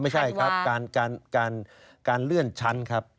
ไม่ใช่ครับการเลื่อนชั้นครับ